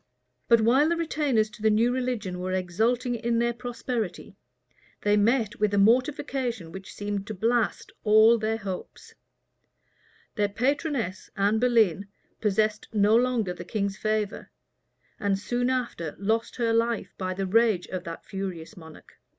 But while the retainers to the new religion were exulting in their prosperity, they met with a mortification which seemed to blast all their hopes: their patroness, Anne Boleyn, possessed no longer the king's favor; and soon after lost her life by the rage of that furious monarch.